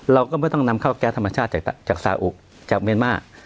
เราก็ไม่ต้องนำเข้าแก๊สธรรมชาติจากสาอุจากเมียนมาร์